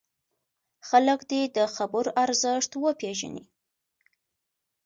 خلک دې د خبرو ارزښت وپېژني.